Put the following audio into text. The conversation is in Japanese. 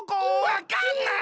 わかんない！